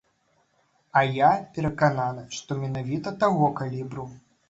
А я перакананы, што менавіта таго калібру.